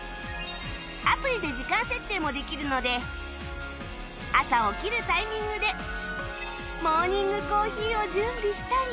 アプリで時間設定もできるので朝起きるタイミングでモーニングコーヒーを準備したり